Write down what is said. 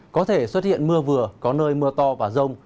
có thể xuất hiện mưa vừa có nơi mưa to và rông